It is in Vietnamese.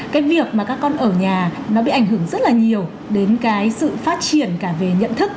cái việc mà các con ở nhà nó bị ảnh hưởng rất là nhiều đến cái sự phát triển cả về nhận thức